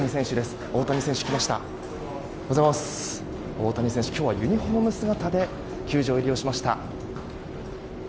大谷選手、今日はユニホーム姿で球場入りしました。